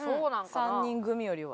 ３人組よりは。